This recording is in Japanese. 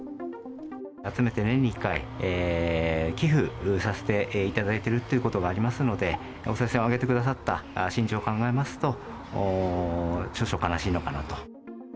集めて年に１回、寄付させていただいているということがありますので、おさい銭をあげてくださった心情を考えますと、少々悲しいのかなと。